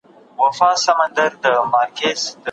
دا فلم په څو ژبو باندې ژباړل شوی دی.